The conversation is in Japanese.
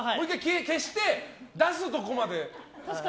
消して、出すとこまで。